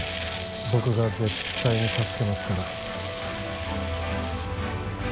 僕が絶対に助けますから。